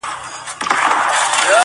• زه د جنتونو و اروا ته مخامخ يمه.